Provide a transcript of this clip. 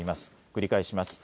繰り返します。